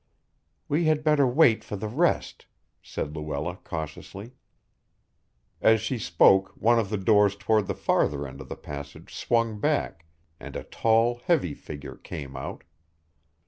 "We had better wait for the rest," said Luella cautiously. As she spoke, one of the doors toward the farther end of the passage swung back, and a tall heavy figure came out.